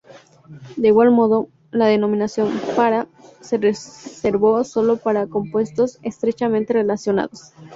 De igual modo, la denominación "para" se reservó sólo para compuestos estrechamente relacionados.